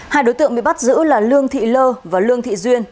hai đối tượng bị bắt giữ là lương thị lơ và lương thị duyên